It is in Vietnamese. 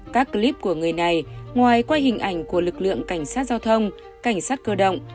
các clip của người này ngoài qua hình ảnh của lực lượng cảnh sát giao thông cảnh sát cơ động